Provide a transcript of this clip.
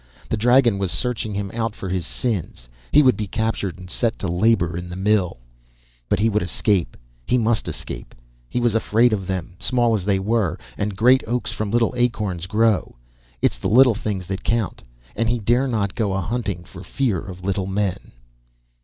The dragon was searching him out for his sins; he would be captured and set to labor in the mill. But he would escape, he must escape! He was afraid of them, small as they were, and great oaks from little acorns grow, it's the little things that count, and he dare not go a hunting for fear of little men.